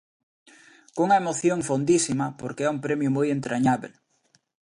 Cunha emoción fondísima, porque é un premio moi entrañábel.